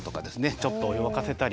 ちょっとお湯沸かせたり。